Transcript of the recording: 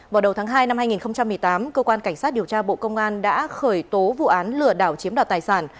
vào đầu tháng hai năm hai nghìn một mươi tám cơ quan cảnh sát điều tra bộ công an đã khởi tố vụ án lừa đảo chiếm đoạt tài sản